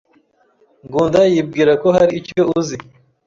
Ngunda yibwira ko hari icyo uzi.